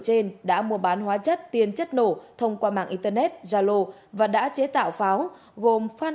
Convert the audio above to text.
trên đã mua bán hóa chất tiền chất nổ thông qua mạng internet zalo và đã chế tạo pháo gồm phan